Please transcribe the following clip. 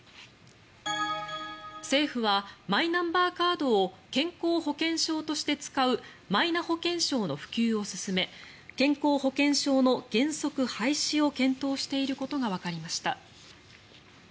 政府はマイナンバーカードを健康保険証として使うマイナ保険証の普及を進め健康保険証の原則廃止を検討していることがわかりました。